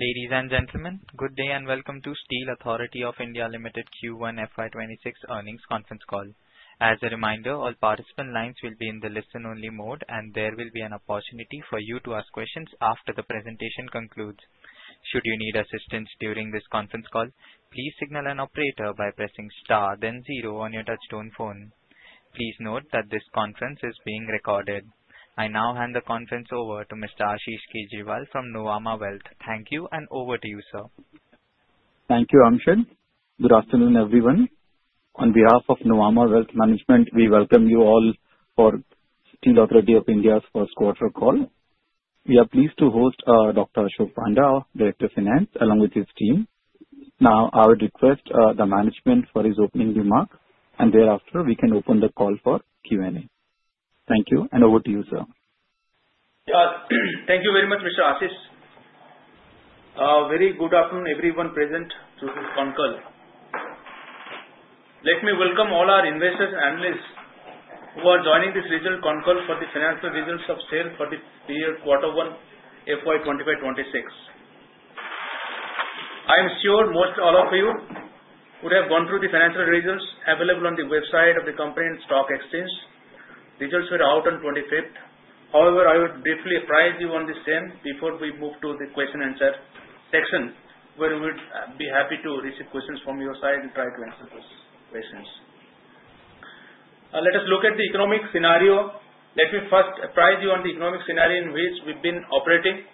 Ladies and gentlemen, good day and welcome to Steel Authority of India Limited. Q1 FY26 earnings conference call. As a reminder, all participant lines will be in the listen only mode and there will be an opportunity for you to ask questions after the presentation concludes. Should you need assistance during this conference call, please signal an operator by pressing star then zero on your touchstone phone. Please note that this conference is being recorded. I now hand the conference over to Mr. Ashish Kejriwal from Nuvama Wealth. Thank you. Over to you, sir. Thank you, Amshad. Good afternoon, everyone. On behalf of Nuvama Wealth Management, we welcome you all for Steel Authority of India's first quarter call. We are pleased to host Dr. Ashok Panda, Director Finance, along with his team. Now I would request the management for his opening remark, and thereafter we can open the call for Q&A. Thank you. Over to you, sir. Thank you very much Mr. Ashish. Very good afternoon everyone present on this concall. Let me welcome all our investors and analysts who are joining this region concall for the financial results of Steel for the quarter 1 FY 2025-2026. I'm sure most all of you would have gone through the financial results available on the website of the company and stock exchange. Results were out on 25th. However, I would briefly apprise you on the same before we move to the question and answer section where we would be happy to receive questions from your side. will try to answer those questions. Let us look at the economic scenario. Let me first apprise you on the economic scenario in which we've been operating.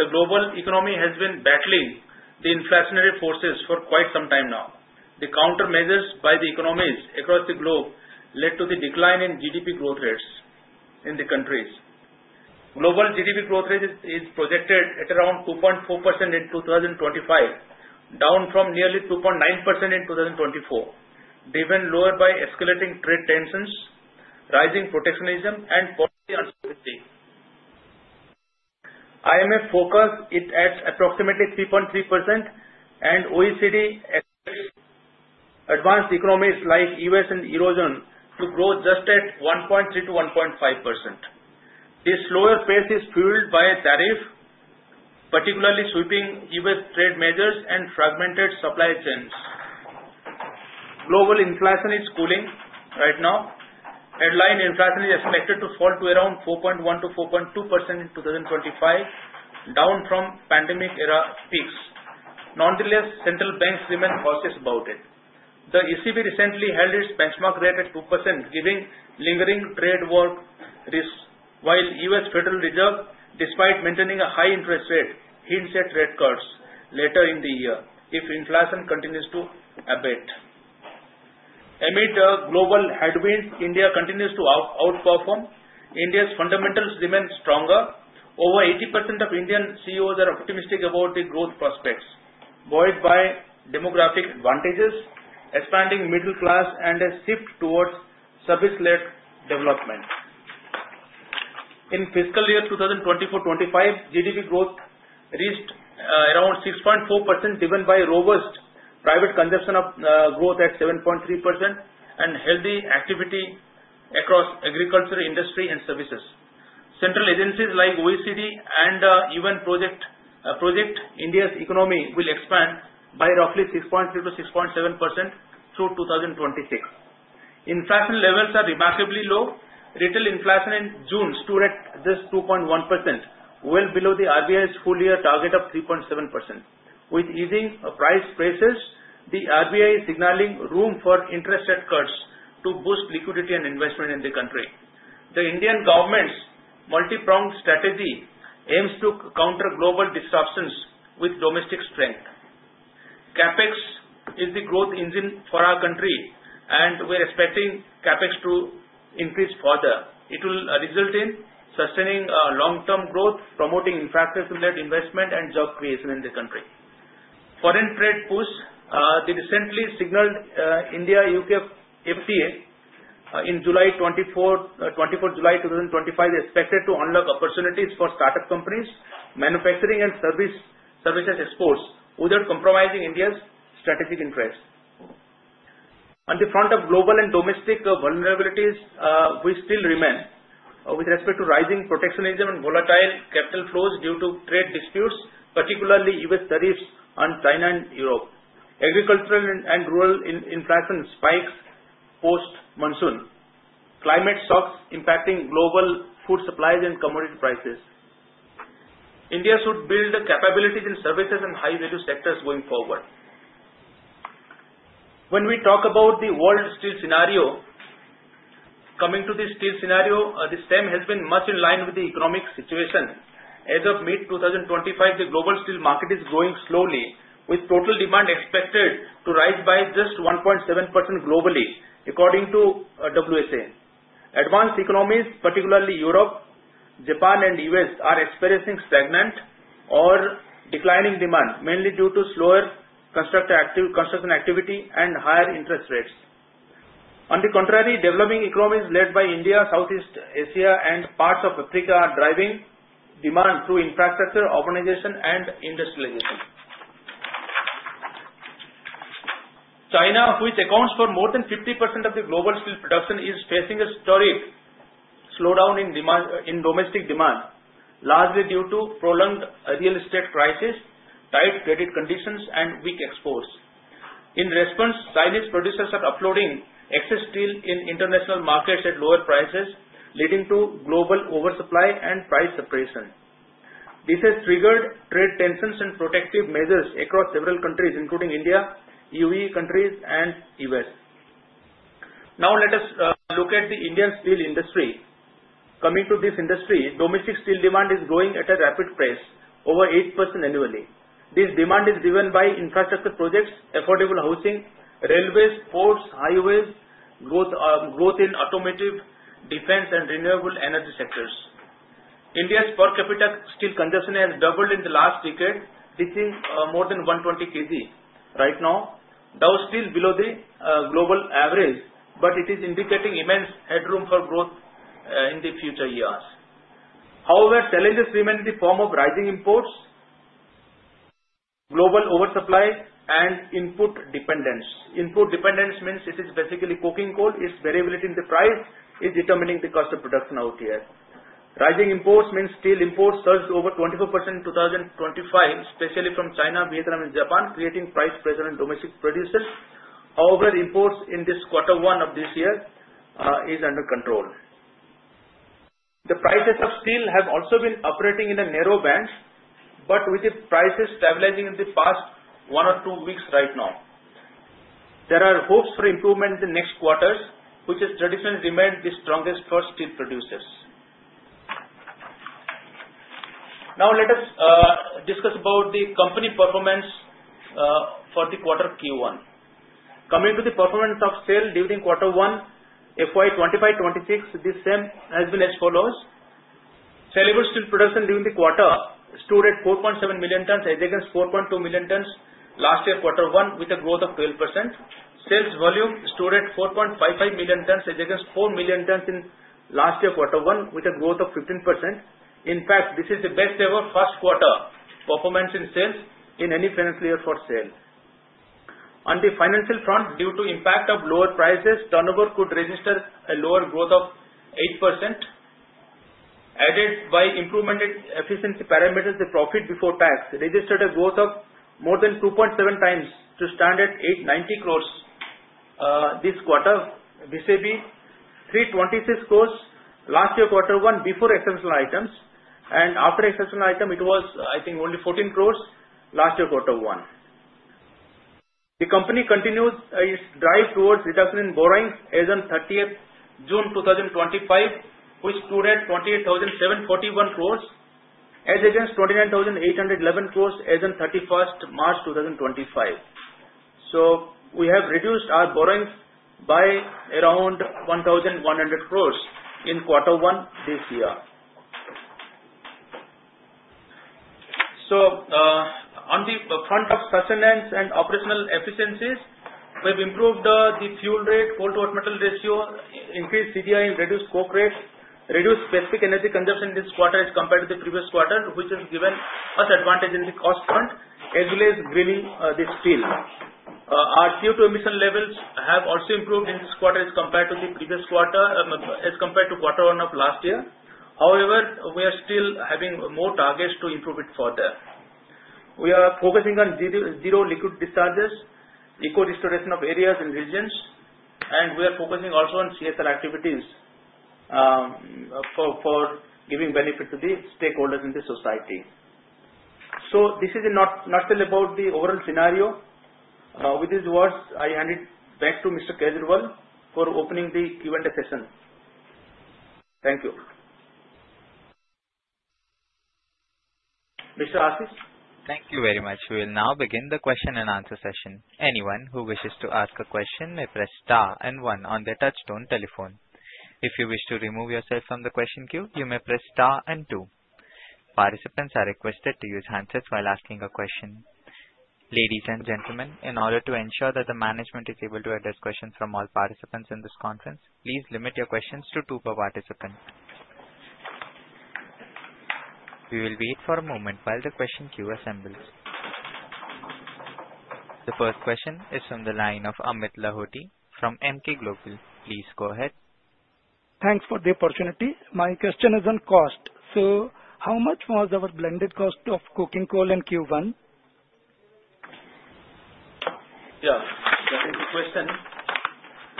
The global economy has been battling the inflationary forces for quite some time now. The countermeasures by the economies across the globe led to the decline in GDP growth rates in the countries. Global GDP growth rate is projected at around 2.4% in 2025, down from nearly 2.9% in 2024, driven lower by escalating trade tensions, rising protectionism, and policy uncertainty. IMF forecasts it at approximately 3.3% and OECD advanced economies like U.S. and Eurozone to grow just at 1.3%-1.5%. This slower pace is fueled by tariffs, particularly sweeping U.S. trade measures, and fragmented supply chains. Global inflation is cooling right now. Headline inflation is expected to fall to around 4.1%-4.2% in 2025, down from pandemic era peaks. Nonetheless, central banks remain cautious about it. The ECB recently held its benchmark rate at 2% given lingering trade war risks, while U.S. Federal Reserve, despite maintaining a high interest rate, hints at rate cuts later in the year if inflation continues. To. Amid global headwinds, India continues to outperform. India's fundamentals remain stronger. Over 80% of Indian CEOs are optimistic about the growth prospects, buoyed by demographic advantages, expanding middle class, and a shift towards service-led development. In fiscal year 2024-2025, GDP growth reached around 6.4%, driven by robust private consumption growth at 7.3% and healthy activity across agriculture, industry, and services. Central agencies like OECD and UN project India's economy will expand by roughly 6.3%-6.7% through 2026. Inflation levels are remarkably low. Retail inflation in June stood at just 2.1%, well below the RBI's full year target of 3.7%. With easing price pressures, the RBI is signaling room for interest rate cuts to boost liquidity and investment in the country. The Indian government's multi-pronged strategy aims to counter global disruptions with domestic strength. CapEx is the growth engine for our country and we're expecting CapEx to increase further. It will result in sustaining long-term growth, promoting infrastructure investment, and job creation in the country. Foreign Trade Push, the recently signaled India-UK FTA in July 2024-July 2025, is expected to unlock opportunities for startup companies, manufacturing, and services exports without compromising India's strategic interest on the front of global and domestic vulnerabilities. We still remain with respect to rising protectionism and volatile capital flows due to trade disputes, particularly U.S. tariffs on China and Europe, agricultural and rural inflation spikes post-monsoon, climate shocks impacting global food supplies, and commodity prices. India should build capabilities in services and high-value sectors going forward. When we talk about the world steel scenario, coming to the steel scenario, this stem has been much in line with the economic situation. As of mid-2025, the global steel market is growing slowly with total demand expected to rise by just 1.7% globally, according to WSA. Advanced economies, particularly Europe, Japan, and the U.S., are experiencing stagnant or declining demand, mainly due to slower construction activity and higher interest rates. On the contrary, developing economies led by India, Southeast Asia, and parts of Africa are driving demand through infrastructure, urbanization, and industrialization. China, which accounts for more than 50% of the global steel production, is facing a historic slowdown in domestic demand, largely due to prolonged real estate prices, tight credit conditions, and weak exports. In response, Chinese producers are offloading excess steel in international markets at lower prices, leading to global oversupply and price suppression. This has triggered trade tensions and protective measures across several countries, including India and UAE countries. And U.S. Now let us look at the Indian steel industry. Coming to this industry, domestic steel demand is growing at a rapid pace, over 8% annually. This demand is driven by infrastructure projects, affordable housing, railways, ports, highways, growth in automotive, defense, and renewable energy sectors. India's per capita steel consumption has doubled in the last decade, reaching more than 120kgs right now. Though still below the global average, it is indicating immense headroom for growth in the future years. However, challenges remain in the form of rising imports, global oversupply, and input dependence. Input dependence means it is basically coking coal. Its variability in the price is determining the cost of production out here. Rising imports means steel imports surged over 24% in 2025, especially from China, Vietnam, and Japan, creating pressure on domestic producers. However, imports in this quarter one of this year is under control. The prices of steel have also been operating in a narrow band. With the prices stabilizing in the past one or two weeks, right now there are hopes for improvement in the next quarters, which has traditionally remained the strongest for steel producers. Now let us discuss about the company performance for the quarter Q1. Coming to the performance of SAIL during quarter one FY2025-2026, this same has been as follows. Salable steel production during the quarter stood at 4.7 million tons as against 4.2 million tons last year quarter one, with a growth of 12%. Sales volume stood at 4.55 million tons as against 4 million tons in last year quarter one, with a growth of 15%. In fact, this is the best ever first quarter performance in sales in any financial year for SAIL. On the financial front, due to impact of lower prices, turnover could register a lower growth of 8% aided by improvement in efficiency parameters. The profit before tax registered a growth of more than 2.7x to stand at 890 crore this quarter, vis-à-vis 326 crore last year quarter one before exceptional items, and after exceptional item it was I think only 14 crore last year quarter one. The company continues its drive towards reduction in borrowing as on 30th June 2025, which stood at 28,741 crore as against 29,811 crore as on 31st March 2025. We have reduced our borrowings by around 1,100 crore in quarter one this year. On the front of sustenance and operational efficiencies, we have improved the fuel rate, coal to hot metal ratio, increased CGI, reduced coke rates, and reduced specific energy consumption this quarter as compared to the previous quarter, which has given us advantage on the cost front as well as grilling the steel. Our CO2 emission levels have also improved in this quarter as compared to the previous quarter and as compared to quarter one of last year. However, we are still having more targets to improve it further. We are focusing on zero liquid discharge, eco restoration of areas and regions, and we are focusing also on CSR activities for giving benefit to the stakeholders in the society. This is a nutshell about the overall scenario. With these words, I hand it back to Mr. Kejriwal for opening the Q&A session. Thank you, Mr. Ashish. Thank you very much. We will now begin the question and answer session. Anyone who wishes to ask a question may press star and one on their touchstone telephone. If you wish to remove yourself from the question queue, you may press star and two. Participants are requested to use handsets while asking a question. Ladies and gentlemen, in order to ensure that the management is able to address questions from all participants in this conference, please limit your questions to two per participant. We will wait for a moment while the question queue assembles. The first question is from the line of Amit Lahoti from Emkay Global. Please go ahead. Thanks for the opportunity. My question is on cost. How much was our blended cost of coking coal in Q1? Yeah, that is the question.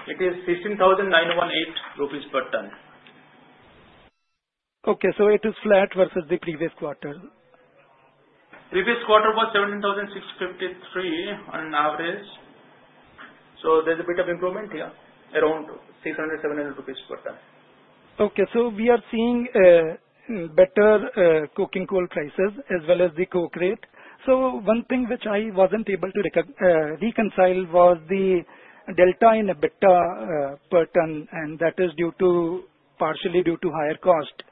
It is 16,918 rupees per ton. Okay, so it is flat versus the previous quarter. Previous quarter was 17,653 on average. There's a bit of improvement here, around 600-700 rupees per ton. Okay, we are seeing better coking coal prices as well as the coke rate. One thing which I wasn't able to reconcile was the delta in EBITDA per tonne, and that is partially due to higher cost.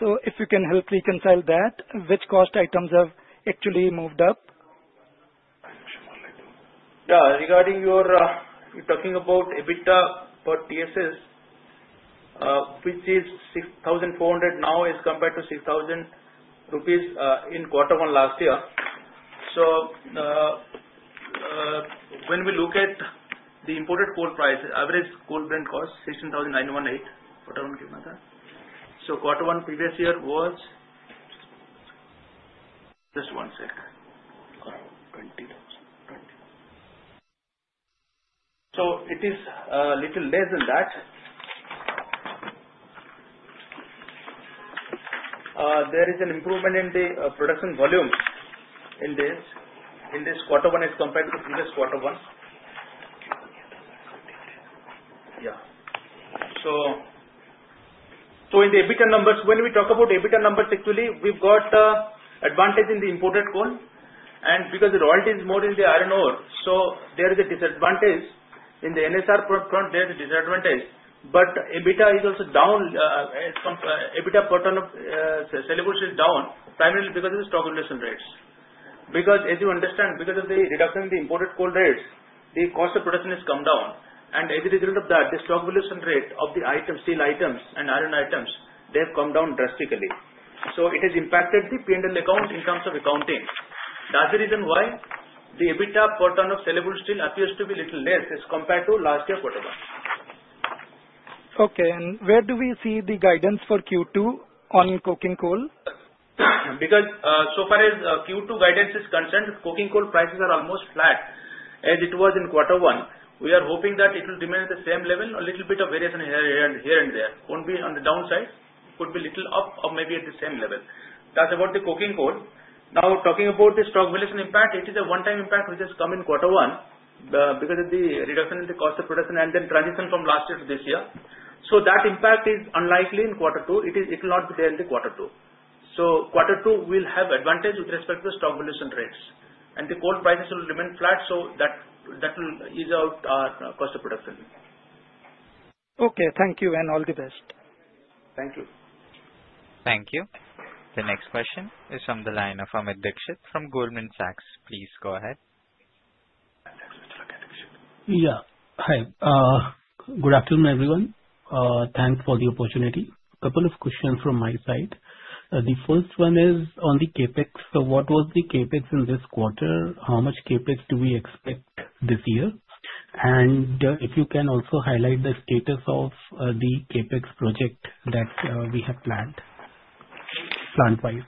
If you can help reconcile that, which cost items have actually moved up. Regarding your talking about EBITDA per tonne which is 6,400 now as compared to 6,000 rupees in quarter one last year. When we look at the imported coal price, average coking coal cost is INR 16,918. Quarter one previous year was just 1 sec. 20,020. It is a little less than that. There is an improvement in the production volumes in this quarter one as compared to the previous quarter ones. In the EBITDA numbers, when we talk about EBITDA numbers, actually we've got advantage in the imported coal and because the royalty is more in the iron ore. There is a disadvantage in the NSR front, there is a disadvantage, but EBITDA is also down. EBITDA per tonne of salable steel is down primarily because of the stock inflation rates because, as you understand, because of the reduction in the imported coal rates, the cost of production has come down and as a result of that, the stock valuation rate of the items, steel items and iron items, they have come down drastically. It has impacted the P&L account in terms of accounting. That's the reason why the EBITDA per tonne of salable steel appears to be a little less as compared to last year quarter. Tony. Okay, where do we see the guidance for Q2 on coking coal? Because so far as Q2 guidance is concerned, coking coal prices are almost flat as it was in quarter one. We are hoping that it will remain at the same level. A little bit of variation here and there won't be on the downside, could be little up or maybe at the same level. That's about the coking coal. Now, talking about the stock valuation impact, it is a one-time impact which has come in quarter one because of the reduction in the cost of production and then transition from last year to this year. That impact is unlikely in quarter two. It will not be there in quarter two. Quarter two will have advantage with respect to the stock valuation rates, and the coal prices will remain flat. That will ease out our cost of production. Okay, thank you and all the best. Thank you. Thank you. The next question is from the line of Amit Dixit from Goldman Sachs. Please go ahead. Yeah, hi, good afternoon everyone. Thanks for the opportunity. Couple of questions from my side. The first one is on the CapEx. What was the CapEx in this quarter? How much CapEx do we expect this year? If you can also highlight the status of the CapEx project that we have planned plant wise.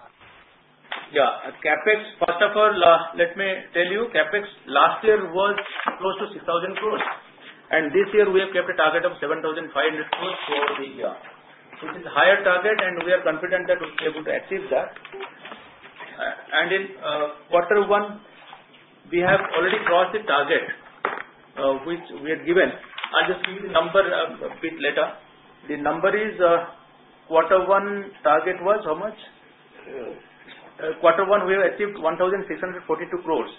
Yeah, CapEx, first of all, let me tell you CapEx last year was close to 6,000 crores, and this year we have kept a target of 7,500 crores for the year. It is a higher target, and we are confident that we will be able to achieve that. In Quarter one, we have already crossed the target which we had given. I'll just give you the number a bit later. The number is, Quarter one target was how much? Quarter one, we have achieved 1,642 crores,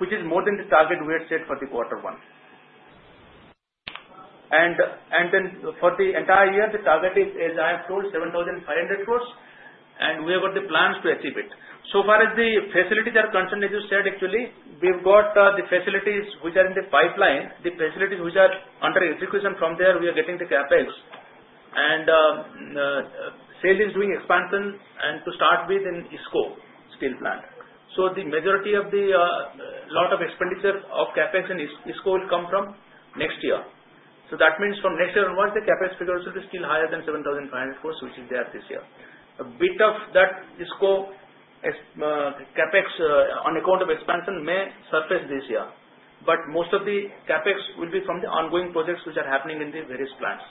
which is more than the target we had set for Quarter one. And. For the entire year the target is as I have told, 7,500 crore and we have got the plans to achieve it. So far as the facilities are concerned, as you said, actually we have got the facilities which are in the pipeline, the facilities which are under execution. From there we are getting the CapEx and SAIL is doing expansion to start with in IISCO Steel Plant. The majority of the lot of expenditure of CapEx in IISCO will come from next year. That means from next year onwards the CapEx figures will be still higher than 7,500 crore which is there this year. A bit of that IISCO CapEx on account of expansion may surface this year, but most of the CapEx will be from the ongoing projects which are happening in the various plants.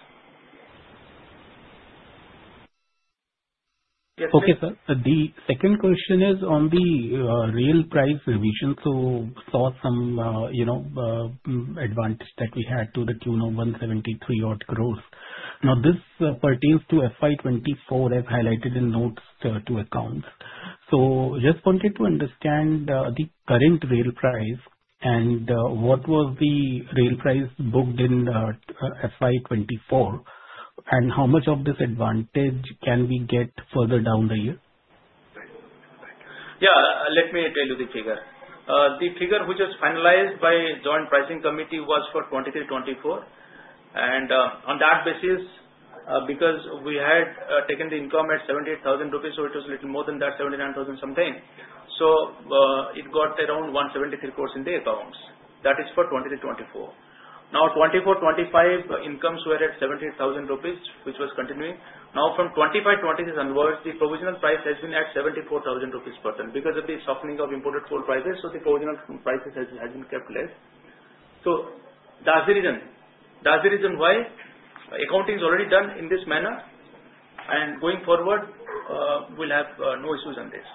Okay sir, the second question is on the rail price revision. Saw some advantage that we had to the QNome 173 crore. This pertains to FY2024 as highlighted in notes to accounts. Just wanted to understand the current rail price and what was the rail price booked in FY2024 and how much of this advantage can we get further down the. Yeah, let me tell you the figure. The figure which was finalized by joint pricing committee was for 2023-2024, and on that basis, because we had taken the income at 78,000 rupees, it was little more than that, 79,000 something. It got around 173 crore in the accounts; that is for 2024. Now, 2024-2025 incomes were at 70,000 rupees, which was continuing. From 2025-2026 onwards, the provisional price has been at 74,000 rupees per ton because of the softening of imported coal prices. The provisional prices have been kept less. That's the reason why accounting is already done in this manner, and going forward we'll have no issues on this.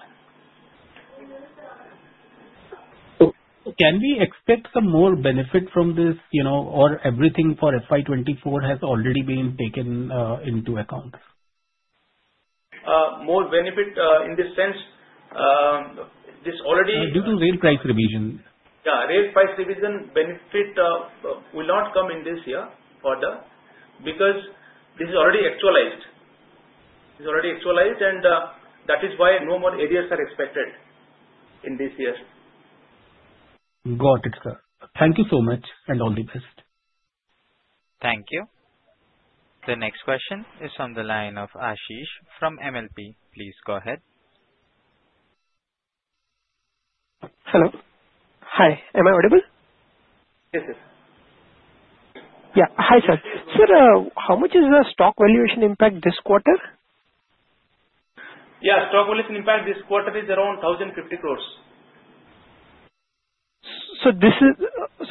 Can we expect some more benefit from this, you know, or everything for FY24 has already been taken into account? More benefit in this sense. This is already. Due to rail price revision. Yeah, rail price revision benefit will not come in this year further because this is already actualized. It's already actualized, and that is why no more arrears are expected in this year. Got it, sir. Thank you so much and all the best. Thank you. The next question is from the line of Ashish from MLP. Please go ahead. Hello. Hi. Am I audible? Yes sir. Hi sir. Sir, how much is the stock valuation impact this quarter? Yeah, stock valuation impact this quarter is around 1.05 billion.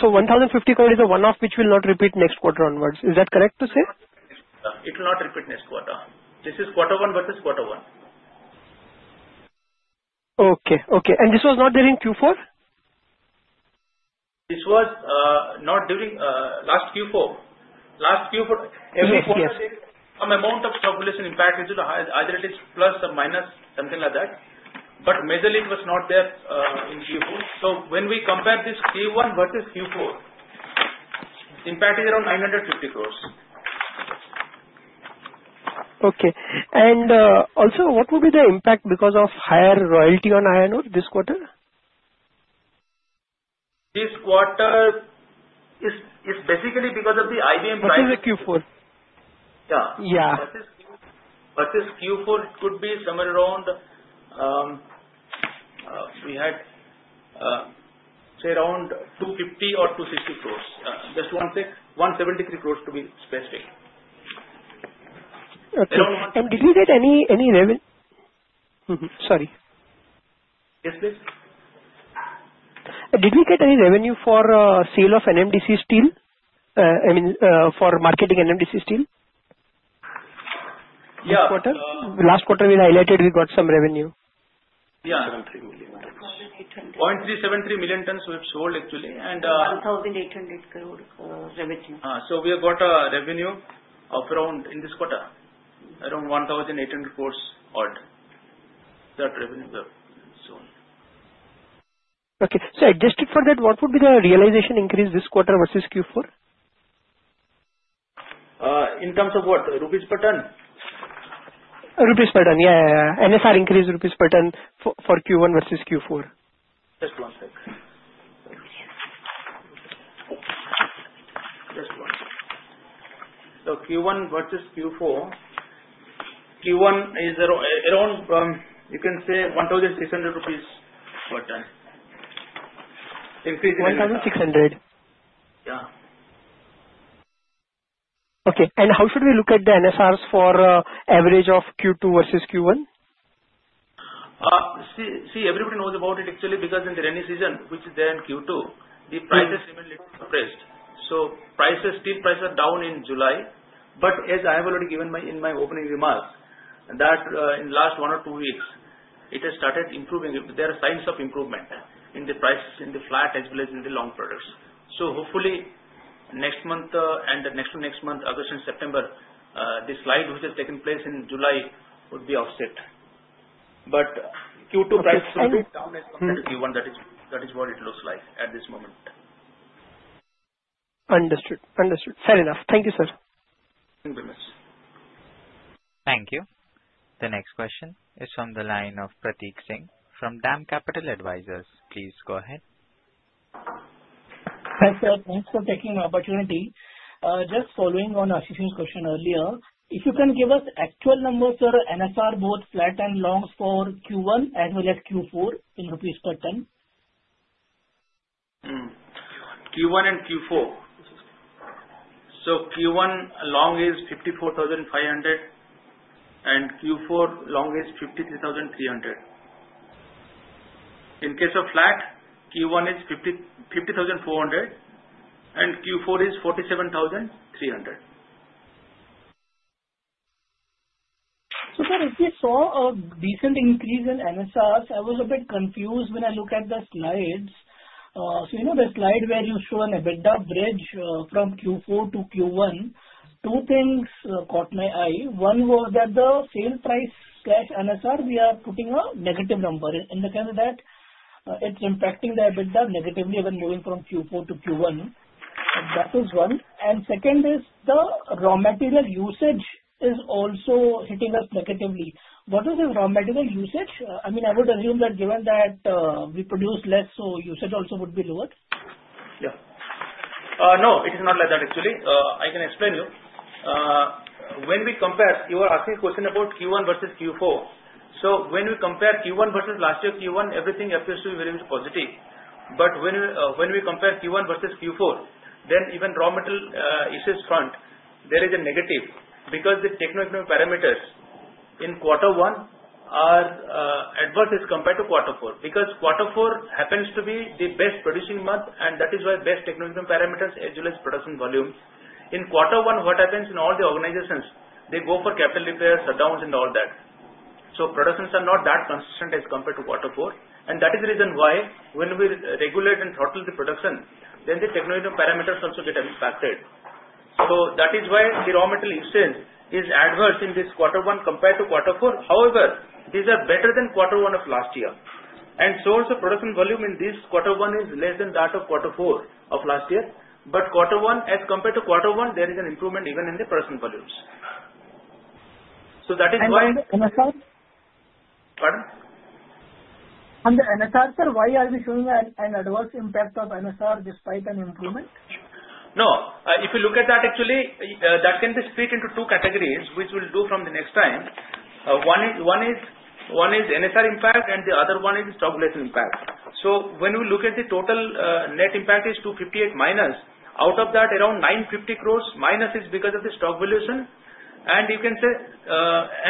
1,050 code is a one off which will not repeat next quarter onwards. Is that correct to say it will. Not repeat next quarter? This is quarter one versus quarter one. Okay. Okay. This was not there in Q4. This was not during last Q4. Some amount of population impact due to the high plus or minus, something like that. Mezzerlit was not there in Q4. When we compare this Q1 versus Q4, impact is around 950 crores. Okay. What would be the impact because of higher royalty on iron ore this quarter? This quarter is basically because of the IBM. What is a Q4? Yeah. Versus Q4, it could be somewhere around. We had say around 250 or 260 crore. Just one sec, 173 crore to be specific. Did we get any revenue? Sorry. Yes please. Did we get any revenue for sale of NMDC Steel? I mean for marketing NMDC Steel. Last quarter we highlighted we got some revenue. Yeah. 0.373 million tons we have sold actually and 1,800 crore revenue. We have got a revenue of around in this quarter, around 1,800 crores. Odd that revenue. Okay. Adjusted for that, what would be the realization increase this quarter versus Q4? In terms of what? INR per tonne. INR per tonne? Yeah. NSR increase INR per ton for Q1 versus Q4. Just one sec. Just one. Q1 versus Q4, Q1 is around 1,600 rupees per ton, increasing. 1,600. Yeah. Okay. How should we look at the NSRs for average of Q2 versus Q1? See, everybody knows about it actually because in the rainy season which is there in Q2, the prices remain little compressed. Steel prices are down in July. As I have already given in my opening remarks, in the last one or two weeks it has started improving. There are signs of improvement in the prices in the flat as well as in the long products. Hopefully next month and next to next month, August and September, this slide which has taken place in July would be offset. Q2 price compared to Q1, that is what it looks like at this moment. Understood. Fair enough. Thank you, sir. Thank you. The next question is from the line of Pratik Singh from DAM Capital Advisors. Please go ahead. Hi sir. Thanks for taking my opportunity. Just following on Ashish Kejriwal's question earlier, if you can give us actual number, sir. NSR both flat and longs for Q1 as well as Q4 in INR per ton. Q1 long is 54,500 and Q4 long is 53,300. In case of flat, Q1 is 50,400 and Q4 is 47,300. Sir, if we saw a decent increase in NSRs, I was a bit confused when I look at the slides. The slide where you show an EBITDA bridge from Q4-Q1, two things caught my eye. One was that the sale price NSR, we are putting a negative number in the sense that it's impacting the EBITDA negatively when moving from Q4-Q1, that is one. The second is the raw material usage is also hitting us negatively. What is the raw material usage? I would assume that given. That we produce less, so usage also would be lower. So. No, it is not like that. Actually, I can explain you. When we compare, you are asking question about Q1 versus Q4. When we compare Q1 versus last year Q1, everything appears to be very much positive. When we compare Q1 versus Q4, then even raw metal issues front, there is a negative because the techno economic parameters in quarter one are adverse as compared to quarter four. Quarter four happens to be the best producing month, and that is why best technological parameters as well as production volumes in quarter one. What happens in all the organizations, they go for capital repairs, shutdowns and all that. Productions are not that consistent as compared to quarter four, and that is the reason why when we regulate and throttle the production, then the technological parameters also get impacted. That is why the raw metal exchange is adverse in this quarter one compared to quarter four. However, these are better than quarter one of last year. Source of production volume in this quarter one is less than that of quarter four of last year. Quarter one as compared to quarter one, there is an improvement even in the person volumes. That is why. Pardon. On the NSR. Sir, why are we showing an adverse impact of NSR despite an improvement? No, if you look at that, actually that can be split into two categories, which we'll do from the next time. One is NSR impact, and the other one is stock related impact. When we look at the total net impact, it is 258 crore minus. Out of that, around 950 crore minus is because of the stock valuation, and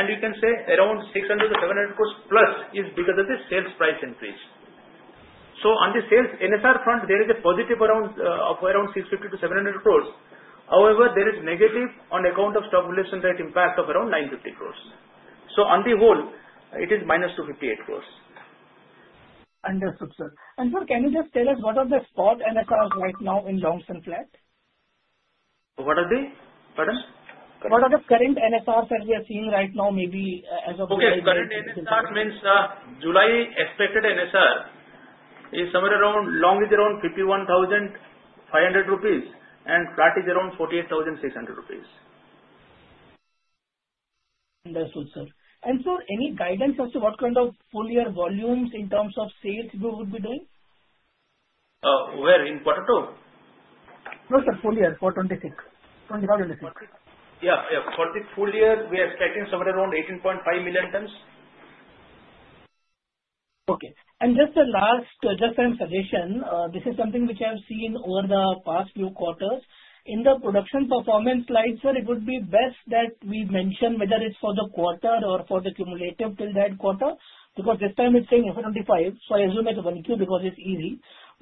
you can say around 600-700 crore plus is because of the sales price increase. On the sales NSR front, there is a positive of around 650-700 crore. However, there is a negative on account of stabilization rate impact of around 950 crore. On the whole, it is -258 crore. Understood, sir. Sir, can you just tell us. What are the spot NSRs right now in longs and flat? What are the. Pardon? What are the current NSRs that we are seeing right now? Maybe as of July, expected NSR is somewhere around. Long is around 51,500 rupees and flat is around 48,600 rupees. Understood, sir. Sir, any guidance as to what kind of full year volumes in terms? Of sales we would be doing? Where in quarter two? No sir, full year for 2026. Yeah, for the full year we are expecting somewhere around 18.5 million tons. Okay. Just the last suggestion. This is something which I've seen over the past few quarters in the production performance slide. Sir, it would be best that we mention whether it's for the quarter or for the cumulative till that quarter because this time it's saying FY25. I assume it's 1Q because it's easy.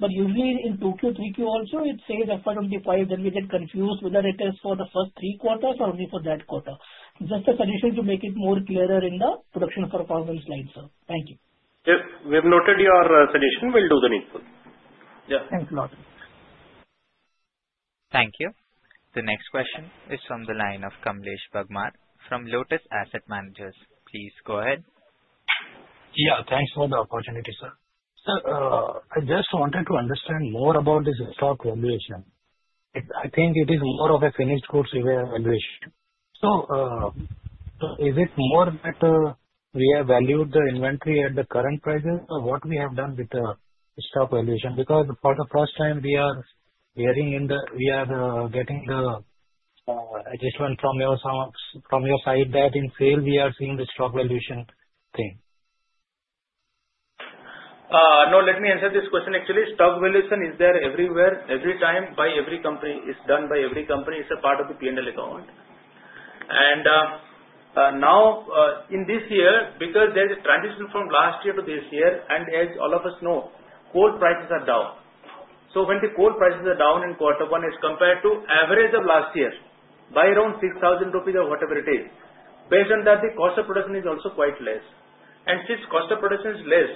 Usually in 2Q, 3Q also it says FY25. We get confused whether it is for the first three or four or only for that quarter. Just a suggestion to make it more clear in the production performance line, sir. Thank you. We have noted your suggestion. We'll do that. Yeah. Thanks a lot. Thank you. The next question is from the line of Kamlesh Bagmar from Lotus Asset Management. Please go ahead. Yeah, thanks for the opportunity. Sir. I just wanted to understand more about this stock valuation. I think it is more of a finished course you have. So is it more that we have valued the inventory at the current prices, what we have done with the stock valuation? Because for the first time we are hearing in the, we are getting the adjustment from your side that in SAIL we are seeing the stock valuation thing. Now let me answer this question. Actually, stock valuation is there everywhere. Every time by every company, it is done by every company. It's a part of the P and L account. In this year, because there is a transition from last year to this year and as all of us know, coal prices are down. When the coal prices are down in quarter one as compared to the average of last year by around 6,000 rupees or whatever it is, based on that, the cost of production is also quite less. Since cost of production is less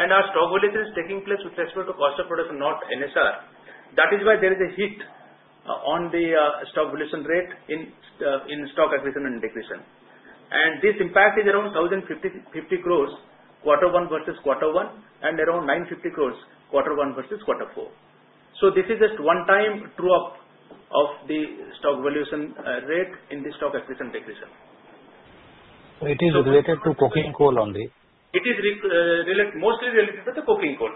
and our stock valuation is taking place with respect to cost of production, not NSR, that is why there is a hit on the stock valuation rate in stock acquisition and decretion. This impact is around 1,050 crore quarter one versus quarter one and around 950 crore quarter one versus quarter four. This is just a one-time drop of the stock valuation rate in the stock acquisition decretion. It is related to coking coal only. It is mostly related to the coking coal,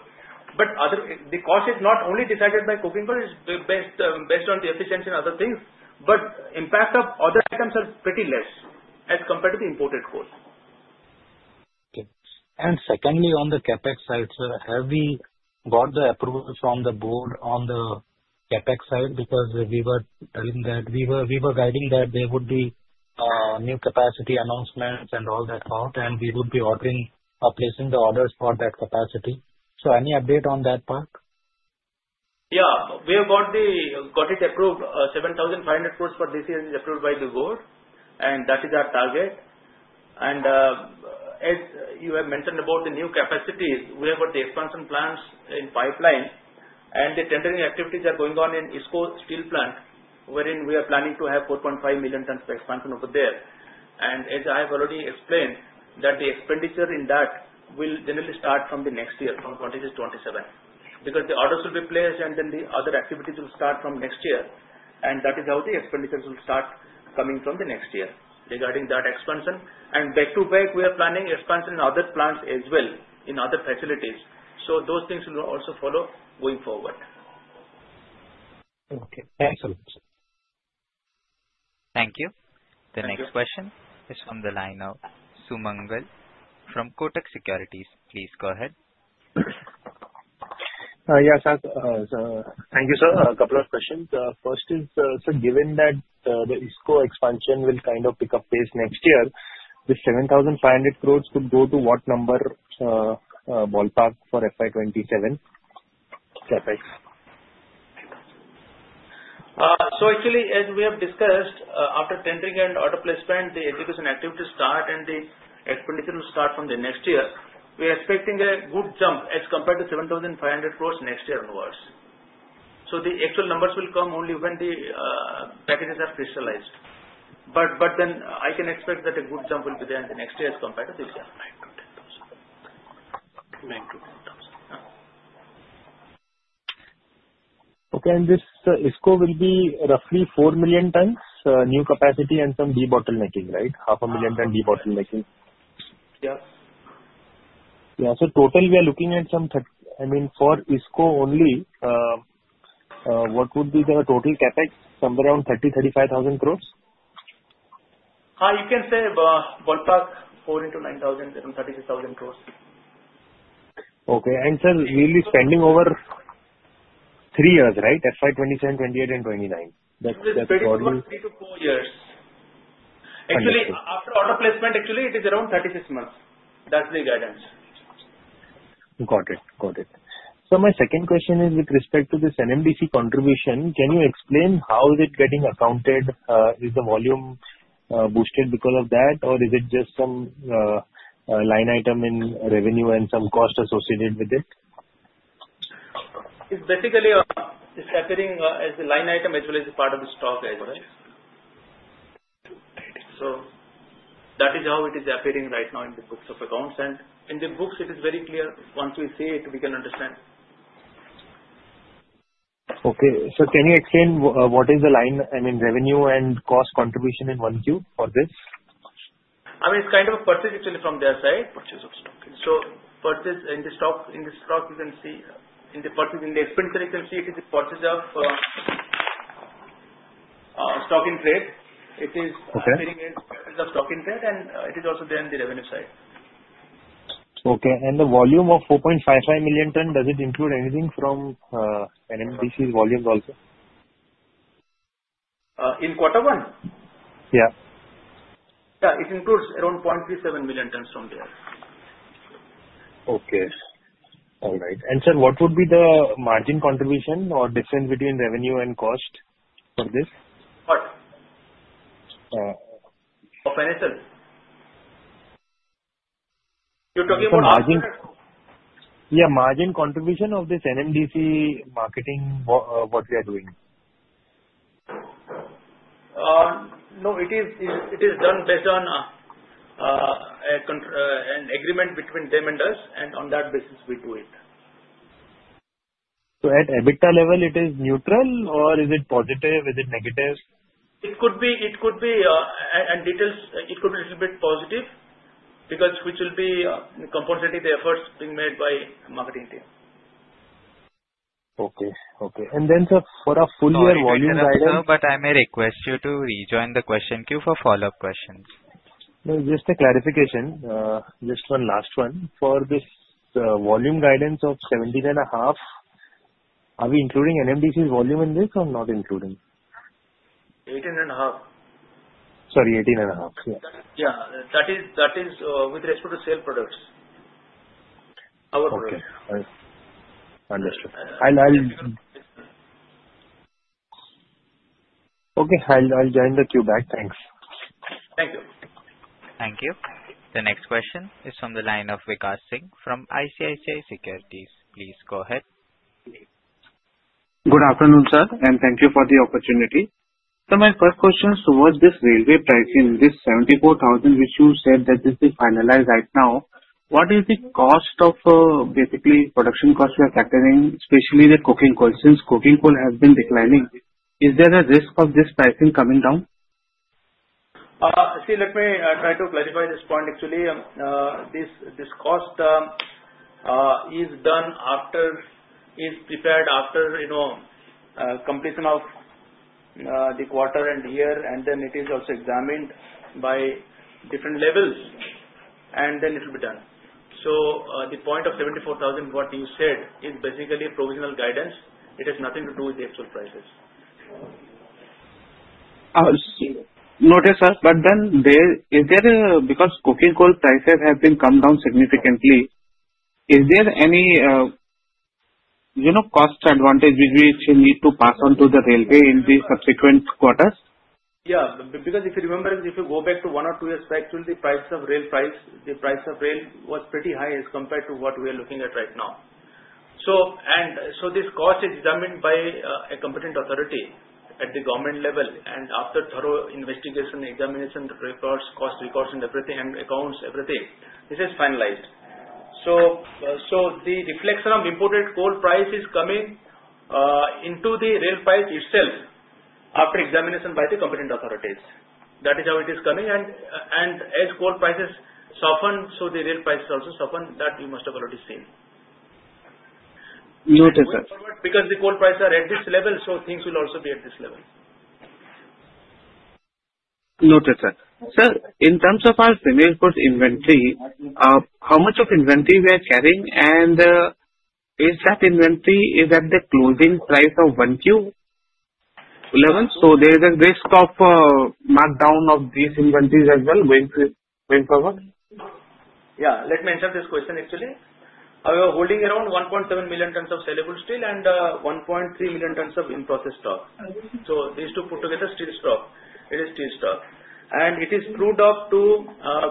but the cost is not only decided by coking coal. It is based on the efficiency and other things, but impact of other items are pretty less as compared to the imported coal. Secondly, on the CapEx side, sir, have we got the approval from the board on the CapEx side? Because we were telling that we were guiding that there would be new capacity announcements and all that out and we would be placing the orders for that capacity. Any update on that part? Yeah, we have got it approved, 7,500 crores for this year is approved by the board, and that is our target. As you have mentioned about the new capacities, we have got the expansion plans in pipeline, and the tendering activities are going on in IISCO Steel Plant, wherein we are planning to have 4.5 million tons of expansion plan over there. As I have already explained, the expenditure in that will generally start from the next year, from 2026-2027, because the orders will be placed and then the other activities will start from next year. That is how the expenditures will start coming from the next year regarding that expansion. Back to back, we are planning expansion in other plants as well, in other facilities, so those things will also follow going forward. Okay, excellent. Thank you. The next question is from the line of Sumangal from Kotak Securities. Please go ahead. Yes, thank you Sir, a couple of questions. First is given that the IISCO Steel Plant expansion will kind of pick up pace next year, the 7,500 crore could go to what number ballpark for FY2027. As we have discussed, after tendering and auto placement, the education activities start and the expenditure will start from next year. We are expecting a good jump as compared to 7,500 crore next year onwards. The actual numbers will come only when the packages are crystallized, but I can expect that a good jump will be there in the next year as compared to this year. Okay, and this IISCO Steel Plant will be roughly 4 million tons new capacity and some debottlenecking, right? 0.5 million ton debottlenecking. Yeah. Yeah. Total we are looking at some. I mean for IISCO only, what would be the total CapEx? Some around 30,000-35,000 crore. You can say ballpark four into 9,000, 36,000 crore. Okay. Sir, we'll be spending over three years, right? FY 2027, 2028, and 2029 years. After auto placement, it is around 36 months. That's the guidance. Got it. Got it. My second question is with respect to this NMDC contribution. Can you explain how is it getting accounted? Is the volume boosted because of that, or is it just some line item in revenue and some cost associated with it? It's basically as a line item as well as a part of the stock. That is how it is appearing right now in the books of accounts. In the books it is very clear. Once we see it we can understand. Okay. Can you explain what is the line? I mean revenue and cost contribution in 1Q for this. It's kind of a purchase actually from their side, purchase of stock. Purchase in the stock, you can see in the purchase in the expense that you can see. It is a purchase of stock in trade. It is stock in trade, and it is also there in the revenue side. Okay. The volume of 4.55 million ton, does it include anything from NMDC Steel's volumes also? In quarter one, it includes around 0.37 million tons from there. Okay. All right. Sir, what would be the margin contribution or difference between revenue and cost for this? You're talking about? Yeah, margin contribution of this NMDC Steel products marketing. What are we doing? It is done based on an agreement between them and us. On that basis, we do it. At EBITDA level, is it neutral or is it positive? Is it negative? It could be a little bit positive because which will be compensated efforts being made by marketing team. Okay. Okay. Sir, for a full year volume guidance. I may request you to rejoin the question queue for follow up questions. Just a clarification. For this volume guidance of 17.5, are we including NMDC Steel's volume in this or not including. 18.5? Sorry, 18.5, yeah. That is with respect to saleable steel products. Understood. Okay, I'll join the queue back. Thanks. Thank you. Thank you. The next question is from the line of Vikas Singh from ICICI Securities. Please go ahead. Good afternoon sir and thank you for the opportunity. My first question is towards this railway pricing. This 74,000 which you said that this is finalized right now, what is the cost of basically production cost? We are factoring especially the coking coal. Since coking coal has been declining, is there a risk of this pricing coming down? Let me try to clarify this point. Actually, this cost is prepared after completion of the quarter and year, and then it is also examined by different levels and then it will be done. The point of 74,000, what you said, is basically provisional guidance. It has nothing to do with the. Actual prices. Notice us. There is, because coking coal prices have come down significantly, is there any, you know, cost advantage which you need to pass on to the railway in the subsequent quarters? Yeah, because if you remember, if you go back to one or two years back to the price of rail price, the price of rail was pretty high as compared to what we are looking at right now. This cost is determined by a competent authority at the government level. After thorough investigation, examination reports, cost records and everything and accounts everything, this is finalized. The deflection of imported coal price is coming into the rail price itself after examination by the competent authorities. That is how it is coming. As coal prices soften, the rail prices also soften. That you must have already seen because the coal prices are at this level. Things will also be at this level. Noted, sir. Sir, in terms of our finished goods inventory, how much of inventory we are carrying, and is that inventory at the closing price of 1Q FY24? There is a risk of markdown of these inventories as well going forward. Yeah. Let me answer this question. Actually, are you holding around 1.7 million tons of saleable steel and 1.3 million tons of in-process stock? These two put together are steel stock. It is steel stock and it is crude up to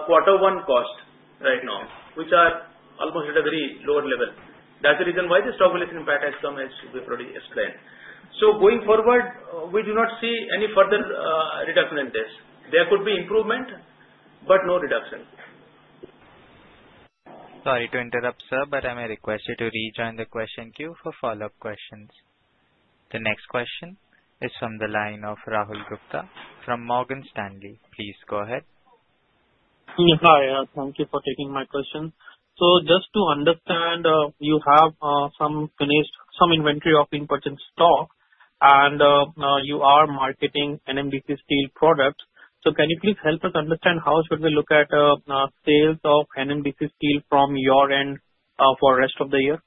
quarter one cost right now, which are almost at a very lower level. That's the reason why the stock valuation impact has come, as we have already explained. Going forward, we do not see any further reduction in this. There could be improvement, but no reduction. Sorry to interrupt, sir, but I may request you to rejoin the question queue for follow-up questions. The next question is from the line of Rahul Gupta from Morgan Stanley. Please go ahead. Hi, thank you for taking my question. Just to understand, you have some finished, some inventory of input stock. You are marketing NMDC Steel products. Can you please help us understand how should we look at sales of. NMDC Steel from your end for rest of the year?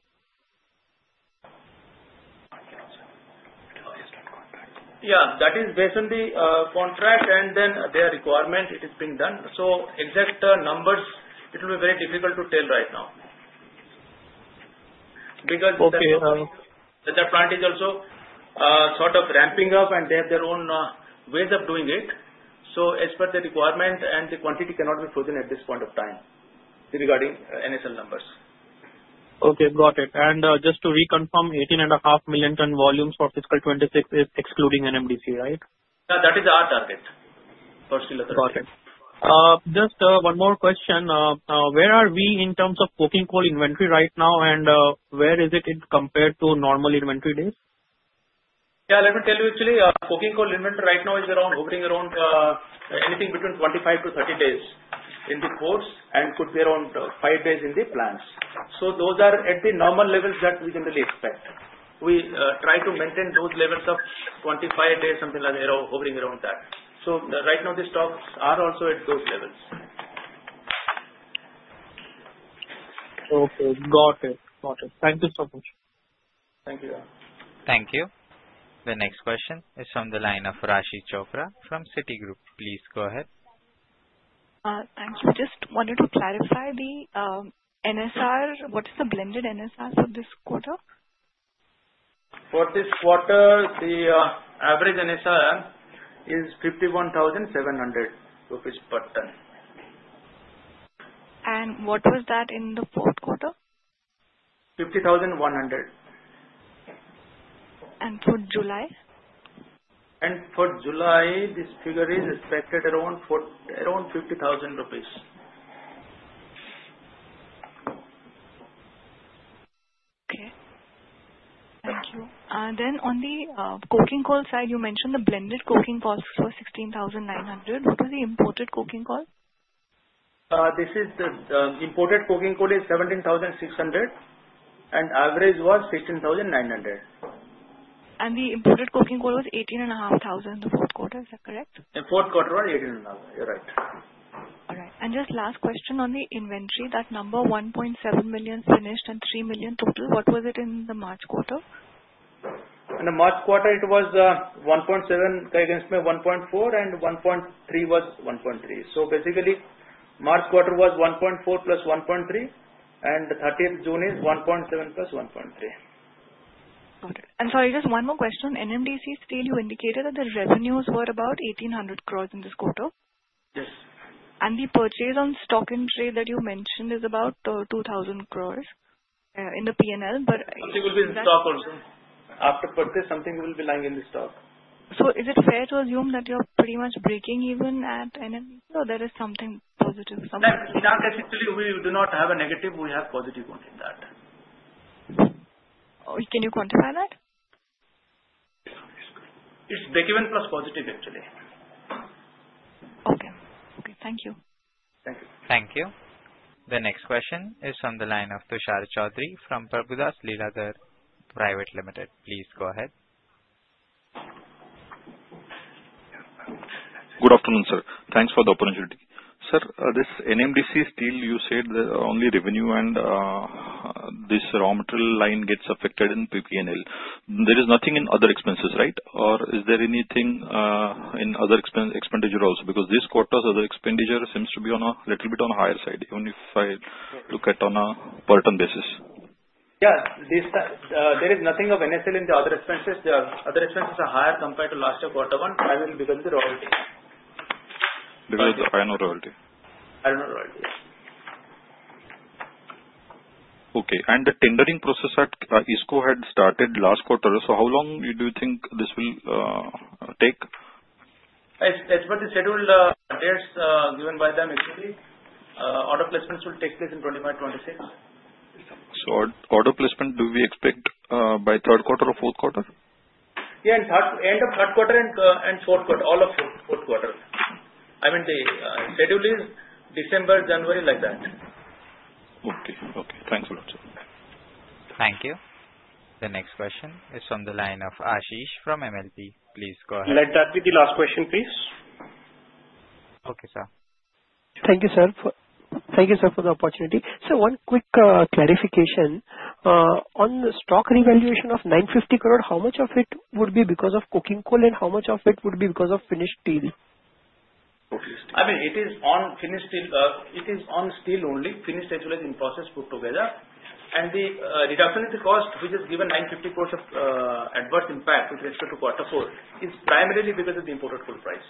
Yeah, that is based on the contract and then their requirement, it is being done. Exact numbers, it will be very difficult to tell right now because that plant is also sort of ramping up and they have their own ways of doing it. As per the requirement, the quantity cannot be frozen at this point of time regarding NMDC Steel numbers. Okay, got it. Just to reconfirm, 18.5 million ton volumes for fiscal 2026. Is excluding NMDC, right? That is our target. Just one more question. Where are we in terms of coking coal inventory right now? Where is it compared to normal inventory days? Yeah, let me tell you. Actually, coking coal inventory right now is around opening around anything between 25-30 days in the ports and could be around five days in the plants. Those are at the normal levels that we generally expect. We try to maintain those levels of 25 days, something like hovering around that. Right now the stocks are also at those levels. Okay, got it. Thank you so much. Thank you. Thank you. The next question is from the line of Raashi Chopra from Citigroup. Please go ahead. Thank you. Just wanted to clarify, the NSR. What is the blended NSR for this quarter? For this quarter, the average NSR is 51,700 rupees per ton. What was that in the fourth quarter? 50,100. For July. For July this figure is expected around four. Around 50,000 rupees. Okay, thank you. On the coking coal side, you mentioned the blended coking costs were 16,900. What was the imported coking coal? This is the imported coking coal is 17,600 and average was 16,900. The imported coking coal was 18,500 in the fourth quarter, is that correct? In fourth quarter, you're right. All right. Just last question. On the inventory, that number 1.7 million finished and 3 million total. What was it in the March quarter? In the March quarter it was 1.7 against 1.4 and 1.3 was 1.3. March quarter was 1.4, 1.3 and 30 June is 1.7 plus 1.3. Sorry, just one more question. NMDC Steel, you indicated that the revenues were about 1,800 crore in this quarter. Yes. The purchase on stock in trade that you mentioned is about 2,000 crore in the P&L. After purchase, something will be lying in the stock. Is it fair to assume that you're pretty much breaking even at NMDC Steel? There is something positive in our case. Actually, we do not have a negative. We have positive only, that. Can you quantify that? It's the given plus positive, actually. Okay. Okay. Thank you. Thank you. The next question is from the line of Tushar Chaudhari from Prabhudas Lilllader Private Limited. Please go ahead. Good afternoon sir. Thanks for the opportunity. Sir, this NMDC Steel, you said only revenue and this raw material line gets affected in P&L. There is nothing in other expenses, right? Or is there anything in other expenditure also? Because this quarter's other expenditure seems to be a little bit on the higher side, even if I look at on a per basis. Yeah. There is nothing of NMDC Steel in the other expenses. The other expenses are higher compared to last year. Quarter one will become a royalty. Because I know royalty. Royalty. Okay. The tendering process at IISCO Steel Plant had started last quarter. How long do you think this will take? That's what the scheduled dates given by them. Basically, order placements will take place in 2025, 2026. Do we expect order placement by third quarter or fourth quarter? Yeah, end of third quarter and fourth quarter, all of fourth quarter. I mean the schedule is December, January, like that. Okay. Okay. Thanks a lot, sir. Thank you. The next question is from the line of Ashish from MLP. Please go ahead. Let that be the last question, please. Okay, sir. Thank you, sir. Thank you, sir, for the opportunity. Sir, one quick clarification on stock valuation impact of 950 crore. How much of it would be because of coking coal and how much of it would be because of finished steel? I mean it is on finished steel. It is on steel only, finished, actualize in process put together. The reduction in the cost, which is given, 950 part of adverse impact with respect to quarter four, is primarily because of the imported fuel price.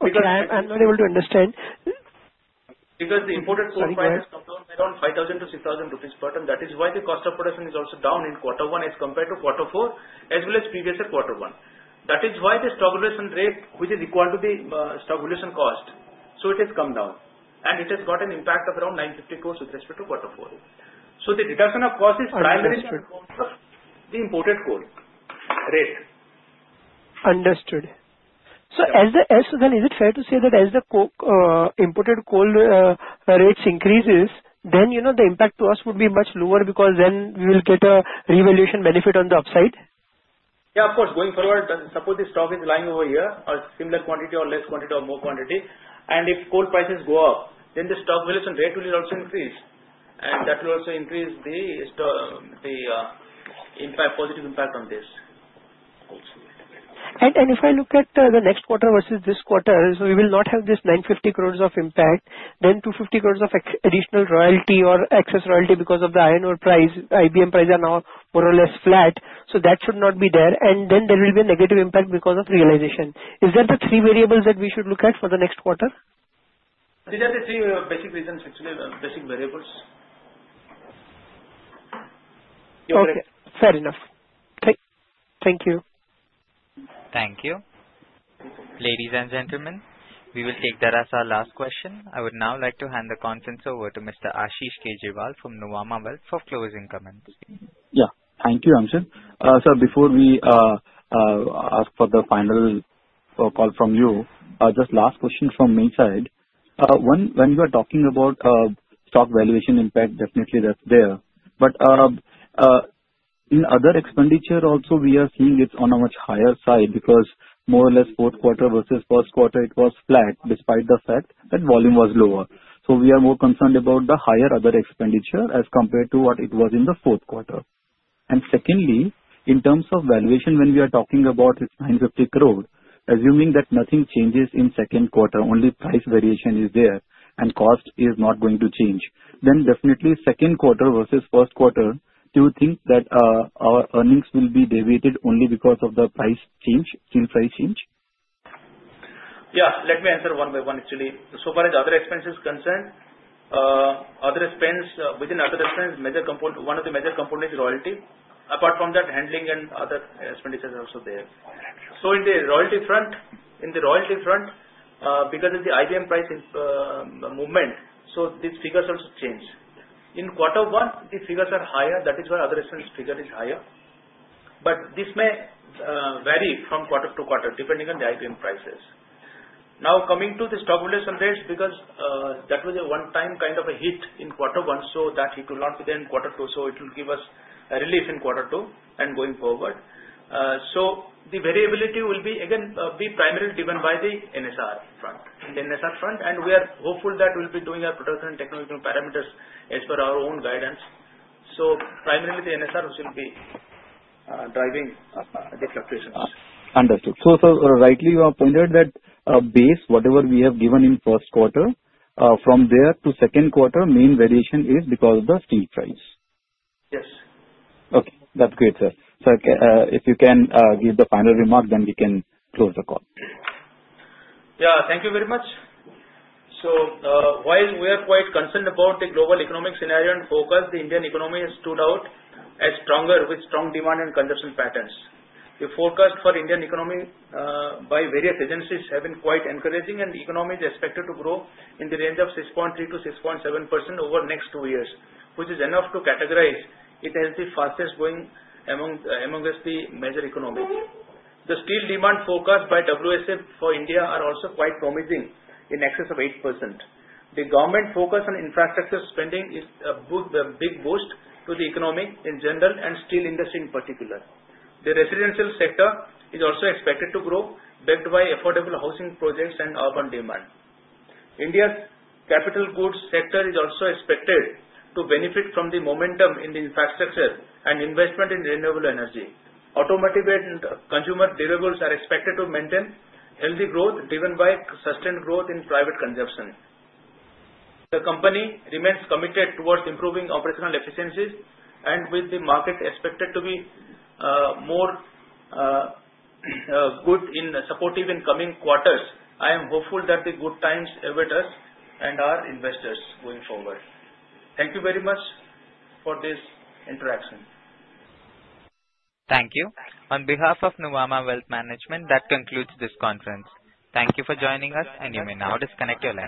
I'm not able to understand. Because the imported coal prices come down around 5,000-6,000 rupees per ton, that is why the cost of production is also down in quarter one as compared to quarter four as well as previous year quarter one. That is why the stabilization rate, which is equal to the stabilization cost, has come down and it has got an impact of around 950 crore with respect to quarter four. The deduction of cost is primarily the imported coal rate. Understood. Is it fair to say that as. the imported coal rates increase, then you know the impact to us would be much lower because then we will get a revaluation benefit on the upside. Yeah, of course. Going forward, suppose the stock is lying over here or similar quantity or less quantity or more quantity. If coal prices go up, then the stock valuation rate will also increase, and that will also increase the positive impact on this. If I look at the next. Quarter versus this quarter, we will not have this 950 crore impact, then 250 crore of additional royalty or excess royalty because of the iron ore price. IBM price is now more or less flat, so that should not be there. There will be a negative impact because of realization. Is that the three variables that we should look at for the next quarter? These are the three basic reasons, actually basic variables. Okay, fair enough. Thank you. Thank you, ladies and gentlemen. We will take that as our last question. I would now like to hand the conference over to Mr. Ashish Kejriwal from Nuvama Wealth for closing comments. Yeah, thank you. Sir, before we ask for the final call from you, just last question from me. Side one, when you are talking about stock valuation impact, definitely that's there. In other expenditure also we are seeing it's on a much higher side because more or less fourth quarter versus first quarter it was flat despite the fact that volume was lower. We are more concerned about the higher other expenditure as compared to what it was in the fourth quarter. Secondly, in terms of valuation when we are talking about it's 950 crore. Assuming that nothing changes in second quarter, only price variation is there and cost is not going to change, then definitely second quarter versus first quarter. Do you think that our earnings will be deviated only because of the price change? Steel price change? Yeah. Let me answer one by one. Actually, so far as other expense is concerned, other expense within other expense, one of the major components is royalty. Apart from that, handling and other expenditures are also there. In the royalty front, because of the IBM price movement, these figures also change. In quarter one, the figures are higher, that is why other expense figure is higher. This may vary from quarter to quarter depending on the IBM prices. Now, coming to the stock relation rates, that was a one-time kind of a hit in quarter one, so it will not be there in quarter two. It will give us a relief in quarter two and going forward. The variability will again be primarily driven by the NSR front, and we are hopeful that we'll be doing our production technological parameters as per our own guidance. Primarily, the NSRs will be driving the fluctuations. Understood. You have rightly pointed that base whatever we have given in first quarter, from there to second quarter, main variation is because of the steel price. Yes. Okay, that's great, sir. If you can give the final remark, then we can close the call. Thank you very much. While we are quite concerned about the global economic scenario and forecast, the Indian economy has stood out as stronger with strong demand and consumption patterns. The forecast for the Indian economy by various agencies has been quite encouraging, and the economy is expected to grow in the range of 6.3%-6.7% over the next two years, which is enough to categorize it as the fastest growing amongst the major economies. The steel demand forecast by WSA for India is also quite promising, in excess of 8%. The government focus on infrastructure spending is a big boost to the economy in general. The steel industry in the residential sector is also expected to grow, backed by affordable housing projects and urban demand. India's capital goods sector is also expected to benefit from the momentum in infrastructure and investment in renewable energy. Automotive and consumer durables are expected to maintain healthy growth, driven by sustained growth in private consumption. The company remains committed towards improving operational efficiencies. With the market expected to be more supportive in coming quarters, I am hopeful that good times await us and our investors going forward. Thank you very much for this interaction. Thank you. On behalf of Nuvama Wealth Management, that concludes this conference. Thank you for joining us and you may now disconnect your line.